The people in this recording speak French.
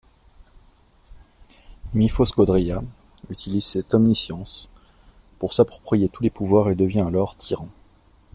Myphos Quadria utilise cette omniscience pour s'approprier tous les pouvoirs et devient alors tyran.